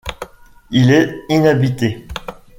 Il est inhabité.